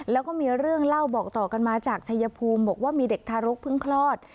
แล้วก็มีเรื่องเล่าบอกต่อกันมาจากชายภูมิบอกว่ามีเด็กทารกเพิ่งคลอด